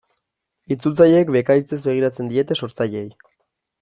Itzultzaileek bekaitzez begiratzen diete sortzaileei.